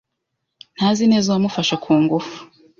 Ntazi neza uwamufashe ku ngufu